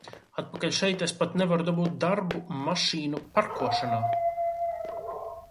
Atpakaļ šeit, es pat nevaru dabūt darbu mašīnu parkošanā!